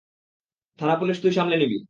থানা পুলিশ তুই সামলে নিবি।